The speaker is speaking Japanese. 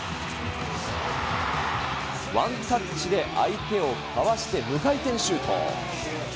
ワンタッチで相手をかわして無回転シュート。